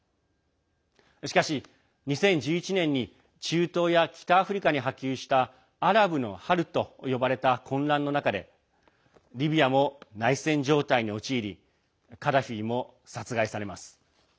しかし、２０１１年に中東や北アフリカに波及したアラブの春と呼ばれた混乱の中でリビアも内戦状態に陥りカダフィも殺害されます。